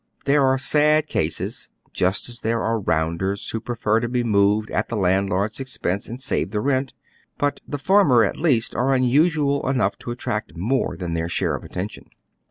There are sad cases, just as there are " rounders " who prefer to be moved at tlie landlord's expense and save the rent, but the former at least are un usual enough to attract more than their share of attention.